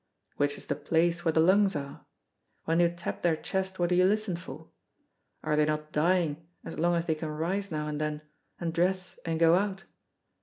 which is the place where the lungs are? when you tap their chest what do you listen for? are they not dying as long as they can rise now and then, and dress and go out?